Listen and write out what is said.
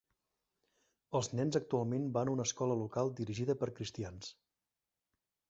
Els nens actualment van a una escola local dirigida per cristians.